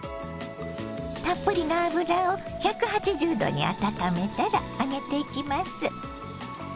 たっぷりの油を１８０℃に温めたら揚げていきます。